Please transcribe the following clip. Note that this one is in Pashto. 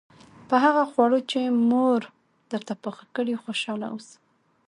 په هغه خواړو چې مور درته پاخه کړي خوشاله اوسه.